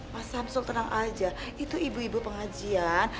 mas samsul tenang aja itu ibu ibu pengajian